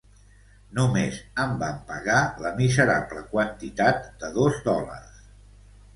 Només em van pagar la miserable quantitat de dos dòlars.